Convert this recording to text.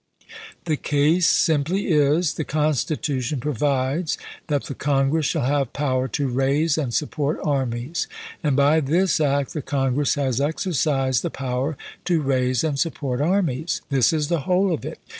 " The case simply is, the Constitution provides that the Congress shall have power to raise and support armies ; and by this act the Congress has exercised the power to raise and support armies. This is the whole of it.